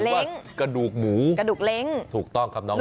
อารมณ์ของแม่ค้าอารมณ์การเสิรฟนั่งอยู่ตรงกลาง